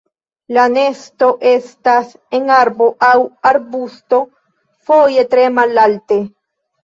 La nesto estas en arbo aŭ arbusto, foje tre malalte.